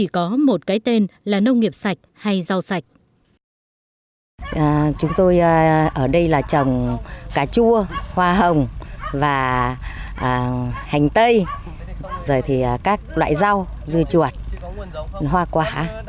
chúng tôi ở đây là trồng cà chua hoa hồng và hành tây rồi thì các loại rau dưa chuột hoa quả